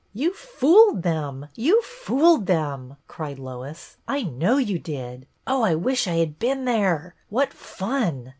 "You fooled them, you fooled them!" cried Lois, " I hww you did. Oh, I wish I had been there ! What fun